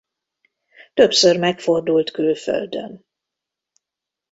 Többször megfordult külföldön.